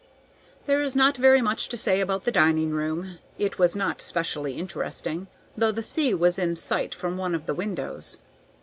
There is not very much to say about the dining room. It was not specially interesting, though the sea was in sight from one of the windows.